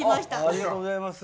ありがとうございます。